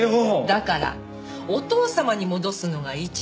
だからお義父様に戻すのが一番いいでしょ。